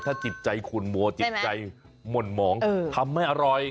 ถ้าจิตใจคุณมัวจิตใจหม่นหมองทำไม่อร่อย